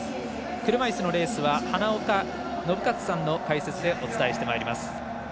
車いすのレースは花岡伸和さんの解説でお伝えしてまいります。